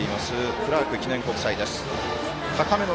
クラーク記念国際です。